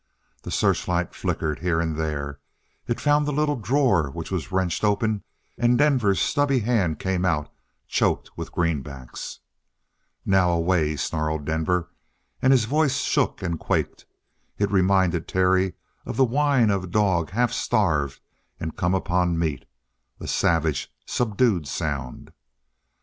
The searchlight flickered here and there it found the little drawer which was wrenched open and Denver's stubby hand came out, choked with greenbacks. "Now away!" snarled Denver. And his voice shook and quaked; it reminded Terry of the whine of a dog half starved and come upon meat a savage, subdued sound.